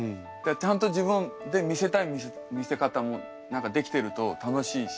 ちゃんと自分で見せたい見せ方もできてると楽しいし。